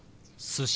「寿司」。